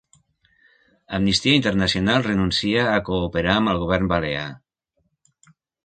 Amnistia Internacional renuncia a cooperar amb el govern balear